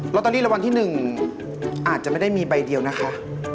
ตเตอรี่รางวัลที่๑อาจจะไม่ได้มีใบเดียวนะคะ